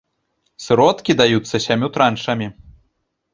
Сродкі даюцца сямю траншамі.